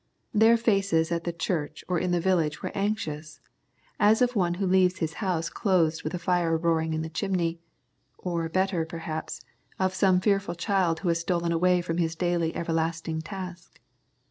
Their faces at the church or in the village were anxious, as of one who leaves his house closed with a fire roaring in the chimney; or better, perhaps, of some fearful child who has stolen away from his daily everlasting task.